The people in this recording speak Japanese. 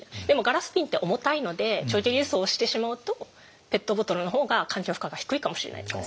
でもガラス瓶って重たいので長距離輸送をしてしまうとペットボトルの方が環境負荷が低いかもしれない。